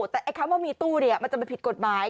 แต่ไอ้คำว่ามีตู้เนี่ยมันจะเป็นผิดกฎหมาย